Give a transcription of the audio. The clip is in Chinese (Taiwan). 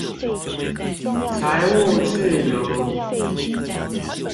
財務自由